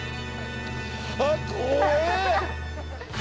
あっ怖え！